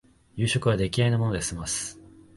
夕食は出来合いのもので済ます